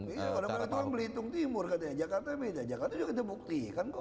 iya orang mengatakan belitung timur katanya jakarta beda jakarta juga kita buktikan kok